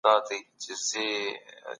دوی به خپله راکده پانګه بازار ته ایستلې وي.